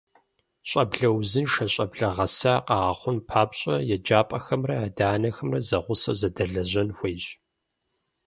Щӏэблэ узыншэ, щӏэблэ гъэса къэгъэхъун папщӏэ еджапӏэхэмрэ адэ-анэхэмрэ зэгъусэу зэдэлэжьэн хуейщ.